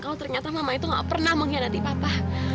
oh ternyata mama itu gak pernah mengkhianati papa